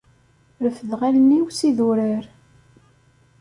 Refdeɣ allen-iw s idurar.